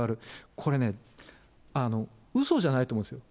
これね、うそじゃないと思うんですよ。